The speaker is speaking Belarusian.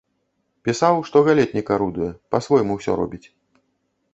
Пісаў, што галетнік арудуе, па-свойму ўсё робіць.